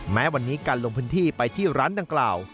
แม้วันนี้การลงพื้นที่ไปที่ร้านดังกล่าว